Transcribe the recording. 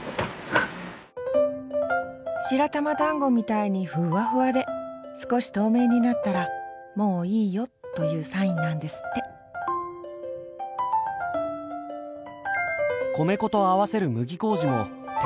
白玉だんごみたいにふわふわで少し透明になったら「もういいよ」というサインなんですって米粉と合わせる麦麹も手作りしています。